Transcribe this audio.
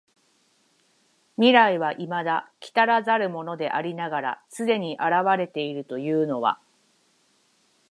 未来は未だ来らざるものでありながら既に現れているというのは、